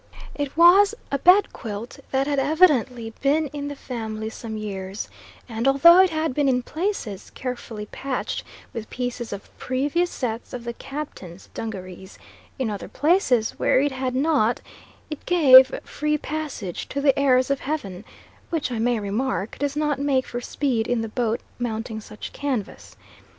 It was a bed quilt that had evidently been in the family some years, and although it had been in places carefully patched with pieces of previous sets of the captain's dungarees, in other places, where it had not, it gave "free passage to the airs of Heaven"; which I may remark does not make for speed in the boat mounting such canvas.